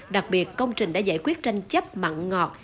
đặc biệt công trình đã giải quyết tranh chấp mặn ngọt